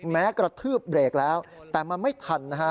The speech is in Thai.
แม้กระทืบเบรกแล้วแต่มันไม่ทันนะฮะ